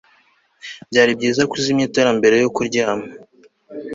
byari byiza ko uzimya itara mbere yo kuryama